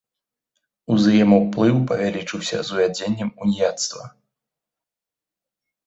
Узаемаўплыў павялічыўся з увядзеннем уніяцтва.